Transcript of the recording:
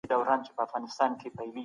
سياستپوهنه د دغو بدلونونو علمي څېړنه کوي.